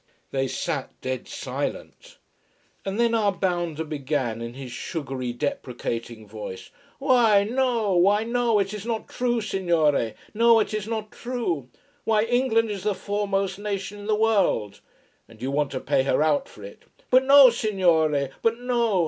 They sat dead silent. And then our bounder began, in his sugary deprecating voice. "Why no! Why no! It is not true, signore. No, it is not true. Why, England is the foremost nation in the world " "And you want to pay her out for it." "But no, signore. But no.